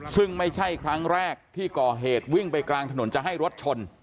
ซึ่งไม่ใช่ครั้งแรกที่ก่อเหตุวิ่งไปกลางถนนจะให้รถชน